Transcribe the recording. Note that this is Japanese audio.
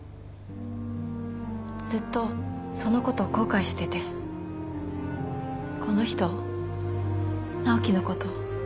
ずっとそのことを後悔しててこの人直樹のこと